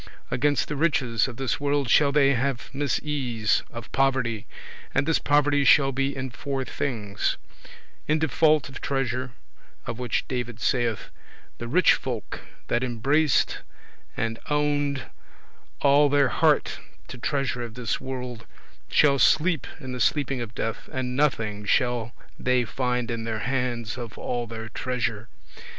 Against the riches of this world shall they have misease [trouble, torment] of poverty, and this poverty shall be in four things: in default [want] of treasure; of which David saith, "The rich folk that embraced and oned [united] all their heart to treasure of this world, shall sleep in the sleeping of death, and nothing shall they find in their hands of all their treasure."